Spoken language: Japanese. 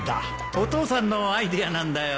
お父さんのアイデアなんだよ。